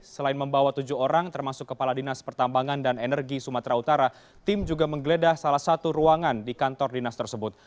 selain membawa tujuh orang termasuk kepala dinas pertambangan dan energi sumatera utara tim juga menggeledah salah satu ruangan di kantor dinas tersebut